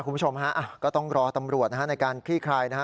คุณผู้ชมฮะก็ต้องรอตำรวจนะฮะในการคลี่คลายนะฮะ